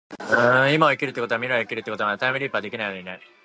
今を生きるってことは未来を生きているってことなんだ。タァイムリィプはできないのにね